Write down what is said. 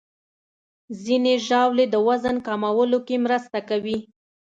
ځینې ژاولې د وزن کمولو کې مرسته کوي.